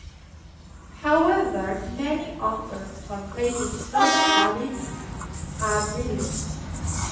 However, many authors conflate external validity and realism.